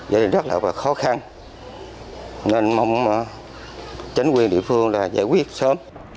gia đình rất là khó khăn nên mong chính quyền địa phương giải quyết sớm